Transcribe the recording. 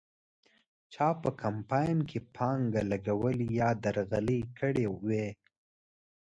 چا په کمپاین کې پانګه لګولې یا درغلۍ کړې وې.